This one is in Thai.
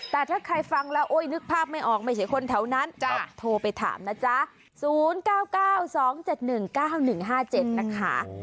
แต่ถ้าใครฟังแล้วโอ๊ยนึกภาพไม่ออกไม่ใช่คนแถวนั้นโทรไปถามนะจ๊ะ๐๙๙๒๗๑๙๑๕๗นะคะ